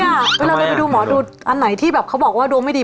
เวลาเราไปดูหมอดูอันไหนที่แบบเขาบอกว่าดวงไม่ดี